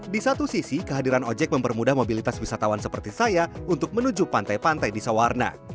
di satu sisi kehadiran ojek mempermudah mobilitas wisatawan seperti saya untuk menuju pantai pantai di sawarna